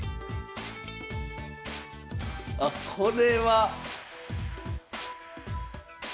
あっこれは。